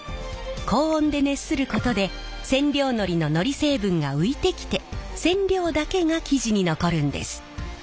高温で熱することで染料のりののり成分が浮いてきて染料だけが生地に残るんです。